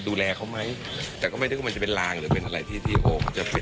ดูแลเขาไหมแต่ก็ไม่นึกว่ามันจะเป็นลางหรือเป็นอะไรที่ที่โอ้มันจะเป็น